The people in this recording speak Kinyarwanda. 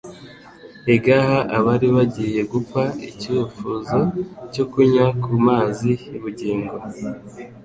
igaha abari bagiye gupfa icyifuzo cyo kunywa ku mazi y'ubugingo.